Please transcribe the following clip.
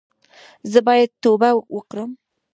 ایا زه باید توبه وکړم؟